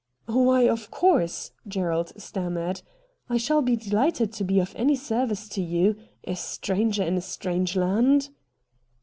' Why, of course,' Gerald stammered. ' I shall be dehghted to be of any service to you — a strancrer in a strancfe land.'